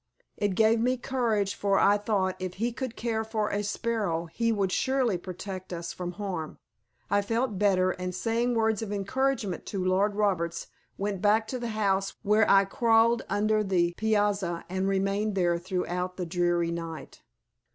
It gave me courage for I thought if He could care for a sparrow, He would surely protect us from harm. I felt better and saying words of encouragement to Lord Roberts, went back to the house where I crawled under the piazza and remained there throughout the dreary night.